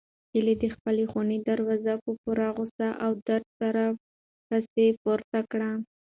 هیلې د خپلې خونې دروازه په پوره غوسه او درد سره پسې پورته کړه.